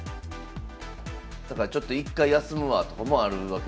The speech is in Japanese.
だからちょっと１回休むわとかもあるわけですね。